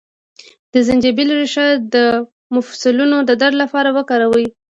د زنجبیل ریښه د مفصلونو د درد لپاره وکاروئ